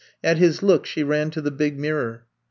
At his look she ran to the big mirror.